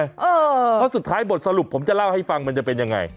เพราะสุดท้ายบทสรุปผมจะเล่าให้ฟังมันจะเป็นยังไง